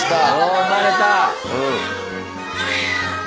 生まれた！